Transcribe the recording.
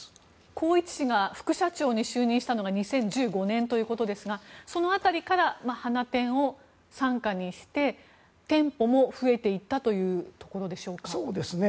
宏一氏が副社長に就任したのが２０１５年ということですがその辺りからハナテンを傘下にして店舗も増えていったというところでしょうか。